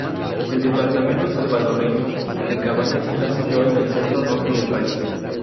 El Departamento salvadoreño de Cabañas está situado en el centro norte del país.